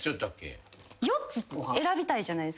４つ選びたいじゃないですか。